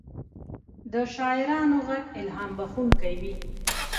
د شاعرانو ږغ الهام بښونکی وي.